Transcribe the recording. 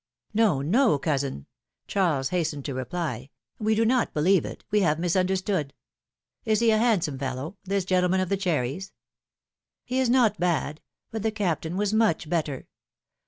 " ^^No, no, cousin!" Charles hastened to reply, we do not believe it ; Ave have misunderstood. Is he a handsome fellow, this gentleman of the cherries?" He is not bad ; but the Captain Avas much better.